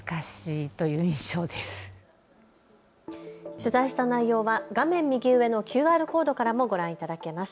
取材した内容は画面右上のＱＲコードからもご覧いただけます。